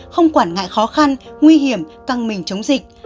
không quản ngại khó khăn nguy hiểm căng mình chống dịch